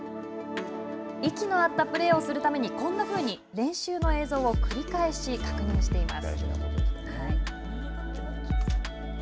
息の合ったプレーするためにこんなふうに練習の映像を繰り返し確認しています。